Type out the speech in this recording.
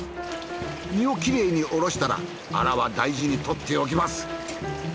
身をきれいにおろしたらアラは大事にとっておきます。